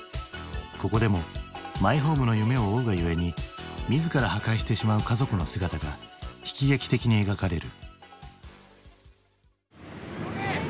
ここでもマイホームの夢を追うがゆえに自ら破壊してしまう家族の姿が悲喜劇的に描かれる。